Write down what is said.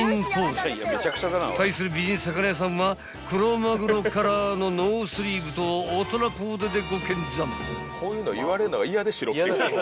［対する美人魚屋さんはクロマグロカラーのノースリーブと大人コーデでご見参］